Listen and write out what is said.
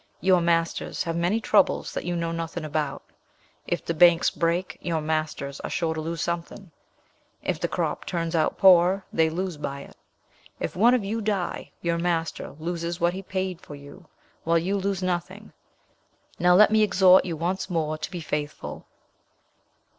Your masters have many troubles that you know nothing about. If the banks break, your masters are sure to lose something. If the crops turn out poor, they lose by it. If one of you die, your master loses what he paid for you, while you lose nothing. Now let me exhort you once more to be faithful."